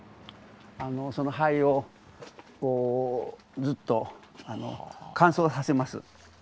その灰をずっと乾燥させます。